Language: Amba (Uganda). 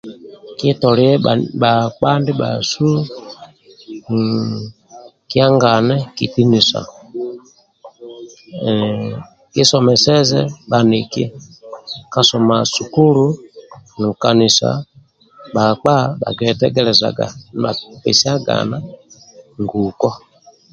Kitolie bhakpa ndibhasu kiangane kitinisa hhh kisomeseze bhaniki ka soma sukulu kanisa mukanisa bhakpa bhakietegelezagana na pesiagana nguko